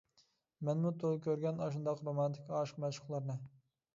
مەنمۇ تولا كۆرگەن ئاشۇنداق رومانتىك ئاشىق-مەشۇقلارنى.